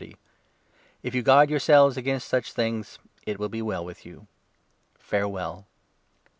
y. If you guard yourselves against such things, it will be well with you. Farewell.'